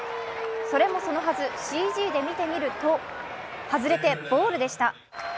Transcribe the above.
それもそのはず、ＣＧで見てみると外れてボールでした。